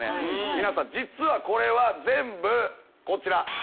皆さん実はこれは全部こちら。